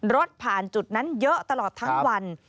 รถผ่านจุดนั้นเยอะตลอดทั้งวัน